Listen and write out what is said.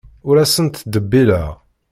Ur asent-ttḍebbileɣ.